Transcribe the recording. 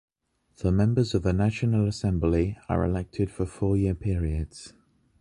The members of the National Assembly are elected for four-year periods.